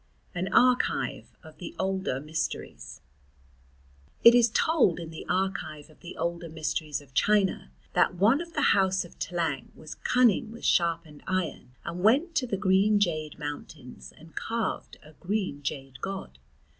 AN ARCHIVE OF THE OLDER MYSTERIES It is told in the Archive of the Older Mysteries of China that one of the house of Tlang was cunning with sharpened iron and went to the green jade mountains and carved a green jade god.